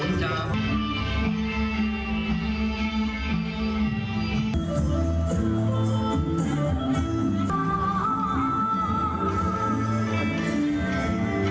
เพราะว่าวันที่นี่่ว่าวันขยับ